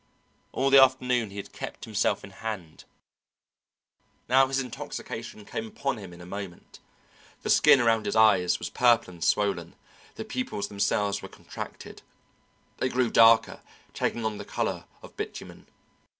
All the afternoon he had kept himself in hand; now his intoxication came upon him in a moment. The skin around his eyes was purple and swollen, the pupils themselves were contracted; they grew darker, taking on the colour of bitumen.